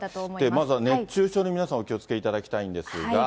まずは熱中症に皆さんお気をつけいただきたいんですが。